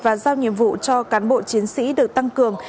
và giao nhiệm vụ cho cán bộ chiến sĩ được tăng cường